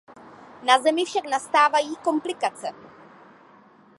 Na Zemi však nastávají komplikace.